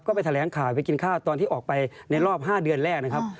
ก็ไปแถลงข่าวไปกินข้าวตอนที่ออกไปในรอบ๕เดือนแรกนะครับ